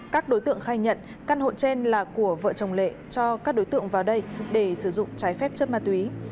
các đối tượng khai nhận căn hộ trên là của vợ chồng lệ cho các đối tượng vào đây để sử dụng trái phép chất ma túy